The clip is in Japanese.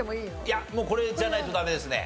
いやこれじゃないとダメですね。